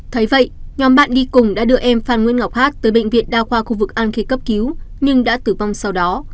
thấy vậy nhóm bạn đi cùng đã đưa em phan nguyễn ngọc hác tới bệnh viện đa khoa khu vực an khê cấp cứu nhưng đã tử vong sau đó